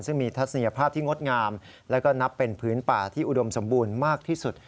ซึ่งมีทัศนียภาพที่งดงามและก็นับเป็นพื้นป่าที่อุดมสมบูรณ์มากที่สุด